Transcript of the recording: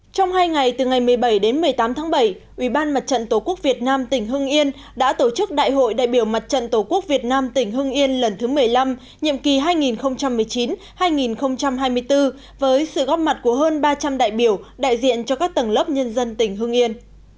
trong hai ngày từ ngày một mươi bảy đến một mươi tám tháng bảy ủy ban mặt trận tổ quốc việt nam tỉnh hưng yên đã tổ chức đại hội đại biểu mặt trận tổ quốc việt nam tỉnh hưng yên lần thứ một mươi năm nhiệm kỳ hai nghìn một mươi chín hai nghìn hai mươi bốn với sự góp mặt của hơn ba trăm linh đại biểu đại diện cho các tầng lớp nhân dân tỉnh hưng yên